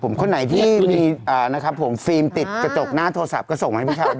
ผมคนไหนที่มีนะครับผมฟิล์มติดกระจกหน้าโทรศัพท์ก็ส่งมาให้พี่เช้าด้วย